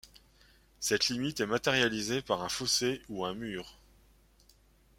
Cette limite est matérialisée par un fossé ou un mur.